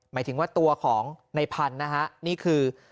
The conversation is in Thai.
หมายถึงว่าตัวของในพันธุ์นะฮะนี่คือ